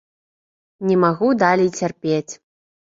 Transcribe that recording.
Не магу далей цярпець.